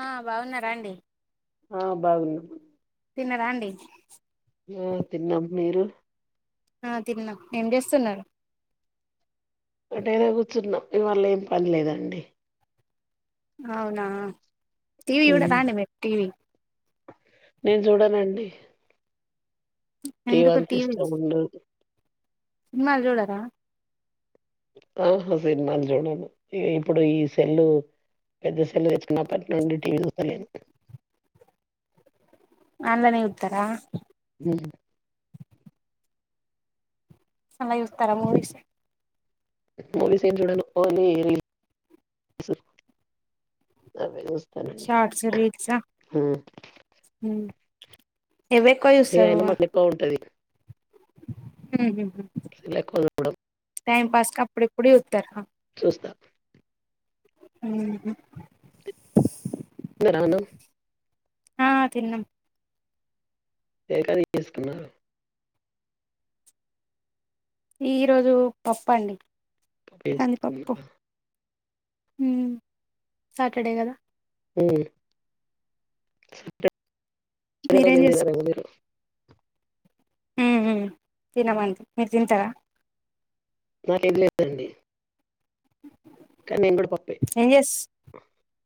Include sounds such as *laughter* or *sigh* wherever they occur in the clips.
ఆ బాగున్నారా అండి ఆ బాగున్నం తిన్నారా అండి ఆ తిన్నాం మీరు ఆ తిన్నాం ఏం చేస్తున్నారు వటైనా కూర్చున్నాం ఇవాళ ఏం పని లేదండి అవునా టీవి మ్మ్. చూడారాండి మీరు టీవి నేను చూడనండి టీవి ఎందుకు అంత టీవీ ఇష్టం ఉండదు సినిమాలు చూడరా ఆహా సినిమాలు చూడను ఇప్పుడు ఈ సెల్లు పెద్ద సెల్లు తెచ్చుకున్నపుడు నుండి టీవీ చూతలేను అందులోనే చూతారా హ్మ్ సెల్ లో చూస్తారా మూవీస్ మూవీస్ ఏం చూడను ఓన్లీ రీల్స్ అవే చుస్ షార్ట్స్ రీల్స్ ఆ హ్మ్ ఏవి ఎక్కువ ఇగ చూస్తారు అయినా మాకు ఎక్కువ ఉంటది హ్మ్ హు సెల్ ఎక్కువ చూడను టైం పాస్ కి అప్పుడు ఇప్పుడు చూతరా వస్తా హ్మ్ హు తిన్నారా అన్నం ఆ తిన్నాం ఏక తీస్కున్నారు ఈ రోజు పప్పండి ఎస్కునా హ్మ్ సాటర్డే కదా హ్మ్ ఈ రోజు మీరేం ఏం తినే లాగా ఉన్నారు హ్మ్ హ్మ్ తినమంతి మీరు తింటారా *unintelligible* లేదండి కానీ నేను కూడా పప్పే ఏం చేస్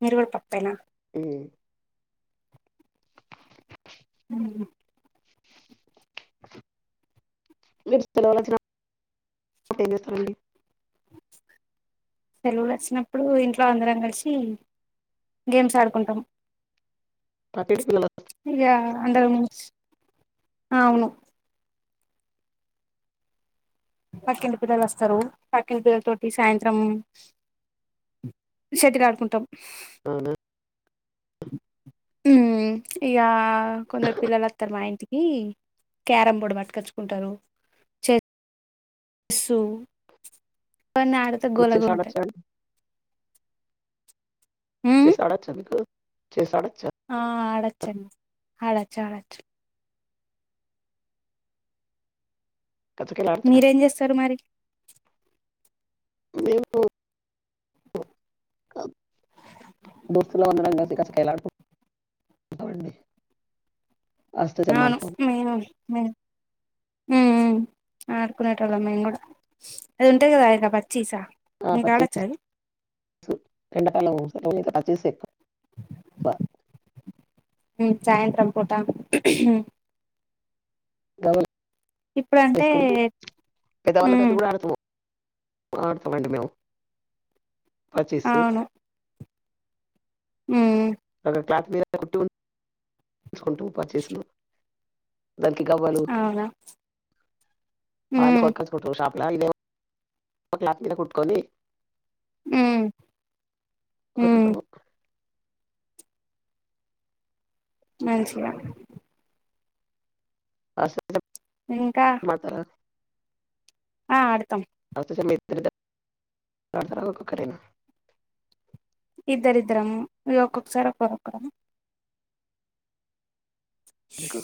మీరు కూడా తప్పేనా మ్మ్. మీరు *unintelligible* తరువాత ఏం చేస్తారండి సలవులు వచ్చినప్పుడు ఇంట్లో అందరం కలిసి గేమ్స్ ఆడుకుంటాం క ఇక అవును పక్కింటి పిల్లలు వస్తారు పక్కిన పిల్లల తోటి సాయంత్రం షెటిల్ ఆడుకుంటాం అవునా హ్మ్ ఇక కొందరు పిల్లలు వస్తారు మా ఇంటికి ఈ క్యారం బోర్డు పట్టుకచ్చుకుంటారు చె సు ఇవన్నీ ఆడితే మీకు గోలగా చేసి ఉంటాయి ఆడొచ్చా అండి ఆట వచ్చా మీకు చెస్ ఆట ఆ ఆడొచ్చండి ఆడొచ్చు ఆడొచ్చు కచ్చకాయలు ఆడుతున్నా మీరేం చేస్తారు మరి మేము దోస్తలు మన్న రంగాతే కస కాయలా అట *inaudible* అవును మీను మ అడుకునేట వాళ్ళం మేము కూడా అది ఉంటాది కదా ఇక పచ్చిసా ఆ పచ్చిసా రెండ పాలం సాయంత్రం పూట ఇప్పుడంటే చేసుకుంట పెద్దవాళ్ళతో హ్మ్ కూడా అడుతవో ఆడుతామండి మేము చేసు మ్మ్ ఒక క్లాత్ మీద కుట్టికుంటూ ప చేసా దకి గావాలు అవునా *inaudible* హ్మ్ లా ఇఓ క్లాక్ మీద కుట్టుకొని *inaudible* హ్మ్ హ్మ్ మంచిగా అ స ఇంకా ఆ ఆడతాం అ మైత్ర్రి రా కక్కరేనా ఇద్దరుద్దరమ్మ ఇ ఒక్కొసారి ఒక్కరొకరం ఇకు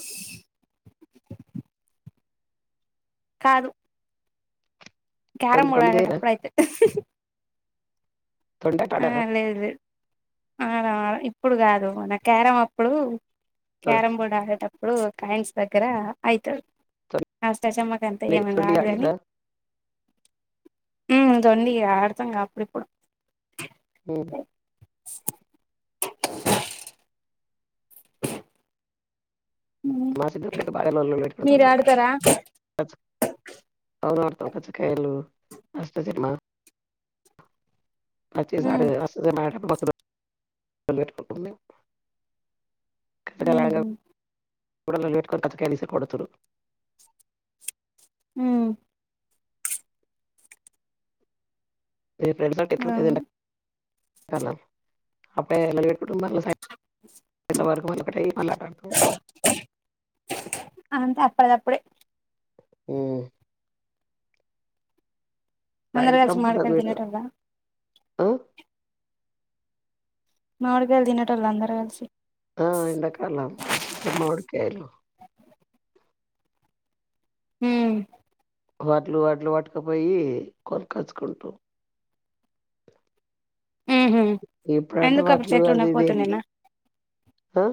కాదు క్యరమ్ బోర్డు అడ్డే తప్పుడు అయితే ఆ లేదు అవునా ఇప్పుడు కాదు నా క్యారం అప్పుడు క్యారం బోర్డ్ ఆడేటప్పుడు కాైన్స్ దగ్గర అయితాడు ష్టజమ్మక అంత ఏమ కాదు కాని తొండీ ఆడతాం అపిడిపోడు హ మాసిప్పుడతే బాట్ మీరు ఆడతారా? అడుతాం కచ్చకాయలు అష్ట చమ్మ హ్మ్ *inaudible* మ్మ్ హ్మ్ కూడాల లేట్కర్ కథ కలిసి కూడా చరు మ్మ్ మీ ఫ్రెడ్ ఎ అప్పుడే మళ సా ఇట్ల వరకు మలొకటే మళ్ళ అటాంటో అంత అప్పడదప్పుడే మ్మ్ అందర్ కల్సి సాయంత్రం పూట మాడికాయిలు మీరు తినోటోళ్ళ ఆ? మావిడికాయలు తినటోళ్ళు అందరు కలిసి ఆ, ఎండాకాలం చికెన్ మామిడికాయలు మ్మ్ వాడ్లు వాడ్లు వటుకపొయ్యి కొనకచుకుంటురు ఉహు ఇప్పుడంటే ఎందుకు అప్పుడు వడ్లు చెట్లు అది ఇదేమిలే ఉండకపోతుండేనా ఆ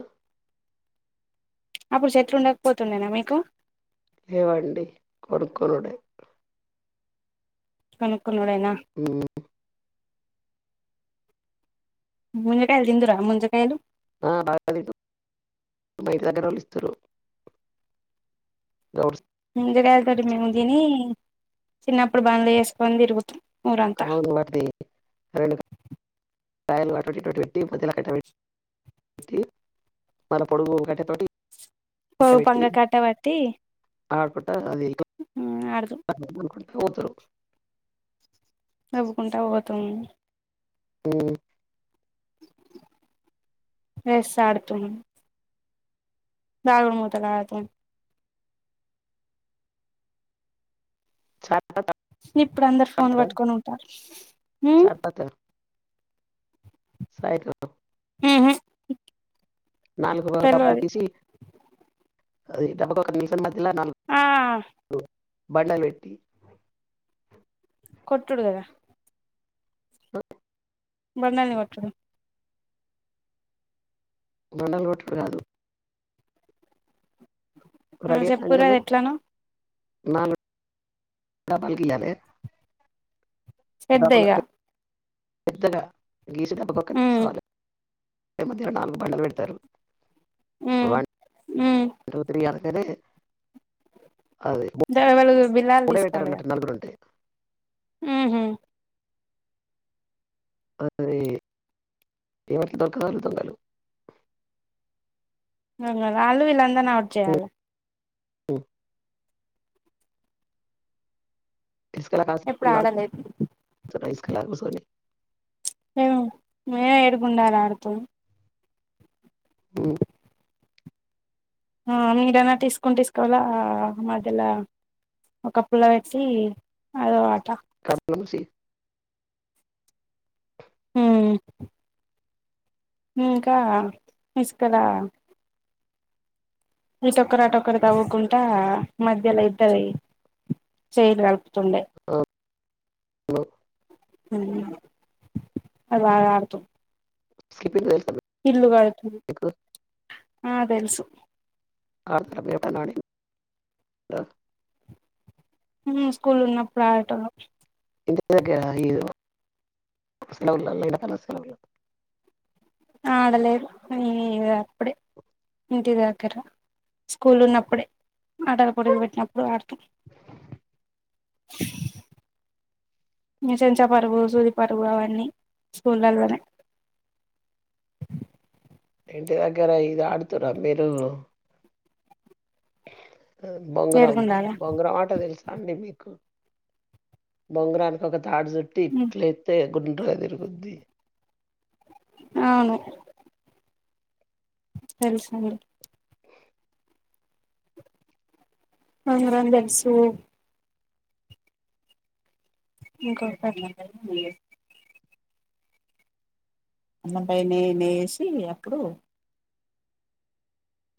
అప్పుడు చెట్లు ఉండకపోతుండేనా మీకు లేవండి కొనుక్కునుడే కొనుక్కునుడేనా మ్మ్ ముంజకాయలు దిందురా ముంజకాయలు ఆ బాగా లేదు బయటి దగ్గరోళ్ళు ఇస్తురు ఓరుస్ ముంజగాయల్తోటి మేము దిని చిన్నప్పుడు బండ్లు చేసుకొని తిరుగుతం ఎవనికి కాయలు పొదిలకటన్ మల్ల పొడుగు కట్టె తోటి పోవు పంగ కట్ట బట్టి ఆడకుట్ట అది పోతరు నవ్వుకుంటా బోతము మ్మ్ ఎస్స్ ఆడుతున్నం దాగుడుమూతలాట చాట్ ఇప్పుడు అందరు ఫోన్లు పడతారా పట్టుకొని ఉంటారు మ్మ్ సాయితు ఉహు నాలుగు డబ్బాలు తెల్వది తీసి అది డబ్బ పక్క ఇల్ల ఆ నాలుగు బండ వెట్టి కొట్డుడు గద ఓ బర్ణాని వట్టుడు మండలు కొట్టుడు గాదు ఆ చెప్పురు అది ఎట్లనో నాను పల్కిల్లాలే స్పెడ్డేగా పెద్దగా గీసి ఉమ్ సాలె ఈ మధ్యలో నాలుగు బండ బెడతారు ఉమ్ వాన్ ఉమ్ టూ త్రీ అవే తెలీదు దేవళ్ ఈ బిల్లాలు మూడే పెట్టారు తీసుకోవాలిగ అన్నట్టు నలుగురు ఉంటే ఊహు అదీ ఏమట్ల దొరకదాళ దొంగలు నిన్న రాళ్ళు వీళ్ళందని ఆప్ చెయ్యాల ఉ డిస్కా రాస ఎప్పుడు ఆడలేదు ఇచట తీసకరాదు మసోని ఆ మే ఏడుగుండాలాడికి ఉ ఆ మీరన్నా తిస్కౌంట్ తీసుకోవాలా మధ్యల ఒక పుల్ల వెచ్చి అద ఆట కా తుల్ సి ఉ ఉ ఉ ఇంకా తిసుకరా ఇటోకరు అటొకరు తవ్వుకుంటా మధ్యలో ఇద్దవి చేయీ కలు తుండే హలో అది బాగా వాడతాం స్కిప్పింగ్ తెలుస్ ఇల్లు కడతాం ఆ తెలుసు *inaudible* ఉమ్ స్కూల్లో ఉన్నప్పుడు అడేటోల్లం ఇ ఈ సెలవుల్ల ఎండాకాలం సెలవులు ఆడలేదు ఈ అప్పుడే ఇంటి దగ్గరన స్కూల్లో ఉన్నప్పుడే ఆటల పోటీలు పెట్టినప్పుడు ఆడతాం చెంచాపరుగు సూదిపరుగు అవన్నీ స్కూళ్లలోనే ఇంటి దగ్గర ఇది ఆడుతర మీరు బొంగరం ఏడుగుండాల బొంగరం ఆట తెలుసా అండి మీకు బొంగరానికి ఒక తాడు చుట్టి ఇట్ల ఎత్తే గుండ్రగా తిరుగుద్ది అవును తెలుసండి బొంగరం తెలుసు ఇంకో *inaudible* అది తెలుస్ అన్నం *inaudible* నేసి అప్పుడు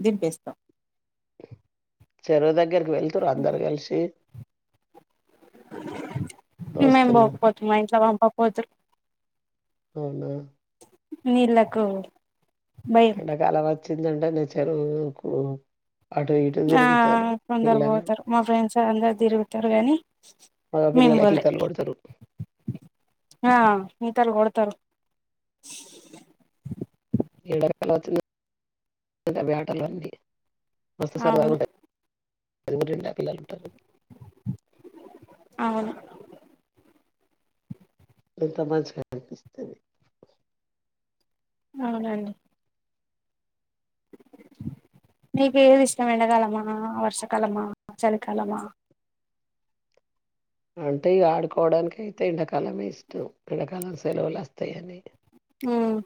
దింపేస్తాం చెరువు దగ్గరికి వెళ్తుండ్ర అందరు కలిసి మేం పొం దోస్తులు పోతే మా ఇంట్లో వాళ్ళు పామ్ పోతారు అవునా నీళ్లకు ఎండాకాలం వచ్చిందంటే నే చెరువుకు అటు ఇటు ఆ తిరుగుతారు కొందరు పిల్లలు పోతారు. మా ఫ్రెండ్స్ అందరు తిరుగుతరు గానీ మగ పిల్లలు అయితే ఈతలు కోడతారు ఆ ఈతలు కొడతారు ఎండాకాలం వచ్చిందన్ అవే ఆటలు అన్ని మస్త్ సార్లు అవును బాగుంటాయి *inaudible* పిల్లలు ఉంటారు అవును ఎంత మంచిగా అనిపిస్తాది అవునండి నీకేది ఇష్టం ఎండాకాలమా, వర్షాకాలమా, చలికాలమా అంటే ఇగ ఆడుకోవడానికి అయితే ఎండాకాలమే ఇష్టం, ఎండాకాలం సెలవులు అస్తాయని ఉమ్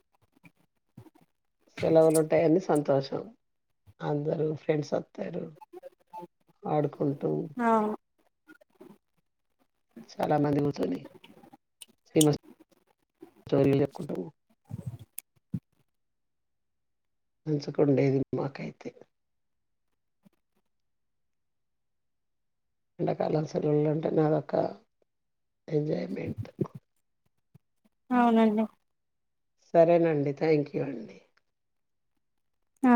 సెలవులు ఉంటాయని సంతోషం, అందరు ఫ్రెండ్స్ అం తారు ఆడుకుంటూ అవును చాలా మంచిగా ఉంటది *inaudible* తెలియకుంట పోవు మంచిగుండేది మాకైతే ఎండాకాలం సెలవులు ఉంటాయి కదా అక్క ఎంజాయ్మెంట్ అవునండి సరేనండి థ్యాంక్ యూ అండి ఆ